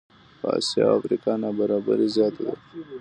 په آسیا او افریقا نابرابري زیاته ده.